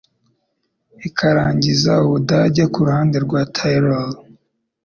ikarangiza Ubudage kuruhande rwa Tyrol